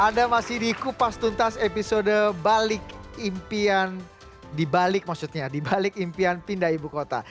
anda masih di kupas tuntas episode balik impian di balik maksudnya dibalik impian pindah ibu kota